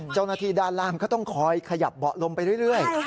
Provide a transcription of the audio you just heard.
เจ้าหน้าที่ด้านล่างก็ต้องคอยขยับเบาะลมไปเรื่อย